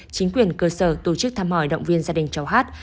chính quyền cơ sở tổ chức thăm hỏi động viên gia đình cháu hát